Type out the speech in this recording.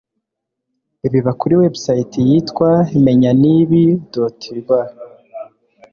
Biba kuri Website yitwa menyanibi.rw